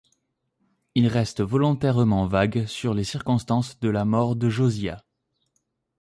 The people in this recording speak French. Il reste volontairement vague sur les circonstances de la mort de Josias.